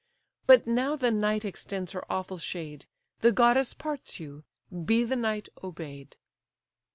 But now the Night extends her awful shade; The goddess parts you; be the night obey'd."